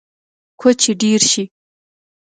کوچي ډیر شي